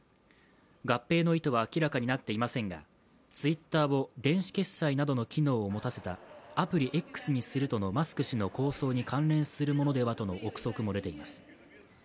合併の意図は明らかになっていませんが、Ｔｗｉｔｔｅｒを電子決済などの機能を持たせたアプリ「Ｘ」にするとのマスク氏の構想に関連するものではとの憶測も出ています。